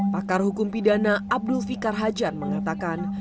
pakar hukum pidana abdul fikar hajar mengatakan